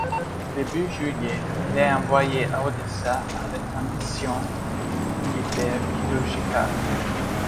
Début juillet, il est envoyé à Odessa avec une mission militaire chirurgicale.